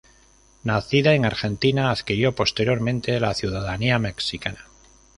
Nacida en Argentina, adquirió posteriormente la ciudadanía mexicana.